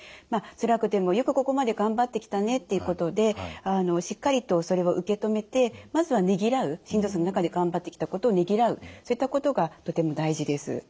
「つらくてもよくここまで頑張ってきたね」っていうことでしっかりとそれを受け止めてまずはねぎらうしんどさの中で頑張ってきたことをねぎらうそういったことがとても大事です。